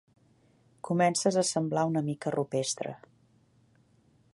Comences a semblar una mica rupestre.